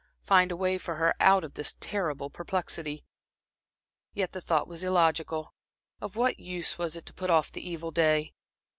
find a way for her out of this terrible perplexity. Yet the thought was illogical. Of what use was it to put off the evil day?